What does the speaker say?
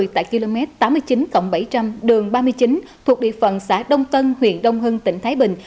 tại km tám mươi chín bảy trăm linh đường ba mươi chín thuộc địa phận xã đông tân huyện đông hưng tỉnh thái bình